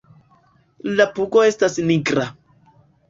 La pugo estas nigra.